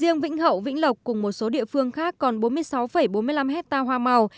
riêng vĩnh hậu vĩnh lộc cùng một số địa phương khác còn bốn mươi sáu bốn mươi năm hectare hoa màu